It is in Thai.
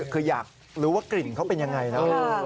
คืออยากรู้ว่ากลิ่นเขาเป็นยังไงนะ